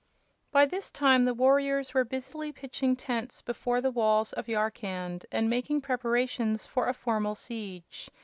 By this time the warriors were busily pitching tents before the walls of Yarkand and making preparations for a formal siege.